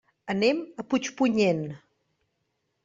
Anem a Puigpunyent.